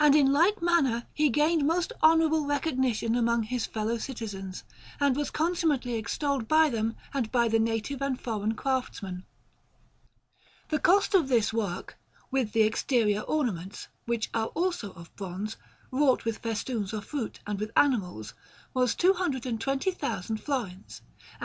And in like manner he gained most honourable recognition among his fellow citizens, and was consummately extolled by them and by the native and foreign craftsmen. The cost of this work, with the exterior ornaments, which are also of bronze, wrought with festoons of fruits and with animals, was 22,000 florins, and the bronze door weighed 34,000 libbre. [Illustration: S.